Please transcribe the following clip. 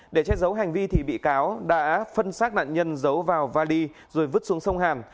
để che giấu hành vi thì bị cáo đã phân xác nạn nhân giấu vào vali rồi vứt xuống sông hàn